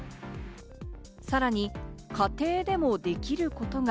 さらに家庭でもできることが。